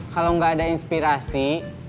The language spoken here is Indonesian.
kalau gak ada inspirasi